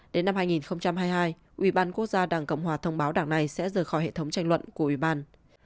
đến năm hai nghìn hai mươi hai ủy ban quốc gia đảng cộng hòa thông báo đảng này sẽ rời khỏi hệ thống tranh luận của ủy ban